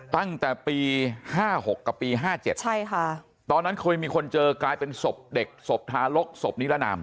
ตั้งแต่ปี๕๖กับปี๕๗